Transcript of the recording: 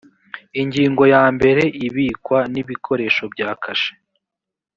ingingo ya mbere ibikwa n ikoreshwa bya kashe